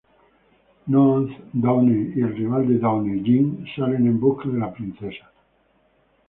Noah, Downey y el rival de Downey, Jean, salen en busca de la princesa.